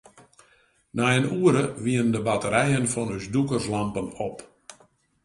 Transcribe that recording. Nei in oere wiene de batterijen fan ús dûkerslampen op.